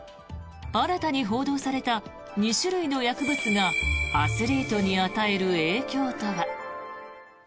新たに報道された２種類の薬物がアスリートに与える影響とは。